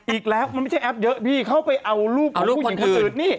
อีกแล้วมันไม่ใช่แอปเยอะพี่เขาไปเอารูปเอารูปพอดดื่นกดอื่นนี่